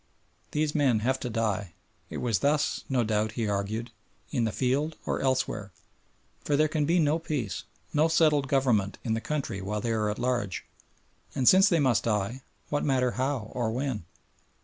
These men have to die it was thus, no doubt, he argued in the field or elsewhere, for there can be no peace, no settled government in the country while they are at large; and since they must die, what matter how or when?